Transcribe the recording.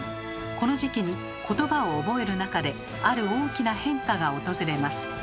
この時期に言葉を覚える中である大きな変化が訪れます。